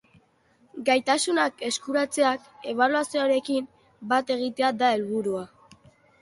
Gaitasunak eskuratzeak ebaluazioarekin bat egitea da helburua.